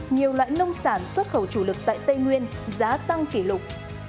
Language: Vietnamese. nhiều loại nông sản xuất khẩu chủ lực tại tây nguyên giá tăng kỷ lục